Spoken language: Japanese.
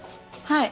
はい。